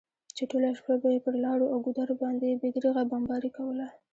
چې ټوله شپه به یې پر لارو او ګودرو باندې بې درېغه بمباري کوله.